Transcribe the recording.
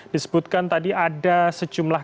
disebutkan tadi ada sejumlah